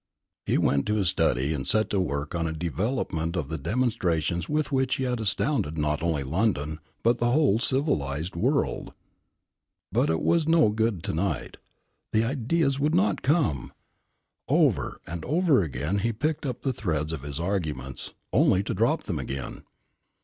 He went to his study and set to work upon a development of the demonstrations with which he had astounded not only London, but the whole civilised world. But it was no good to night. The ideas would not come. Over and over again he picked up the threads of his arguments, only to drop them again.